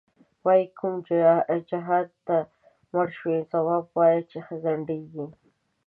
وایې کوم جهادته مړ شوی، ځواب وایه چی ځندیږی